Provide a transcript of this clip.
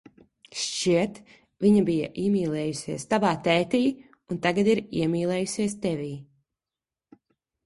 Šķiet, viņa bija iemīlējusies tavā tētī un tagad ir iemīlējusies tevī.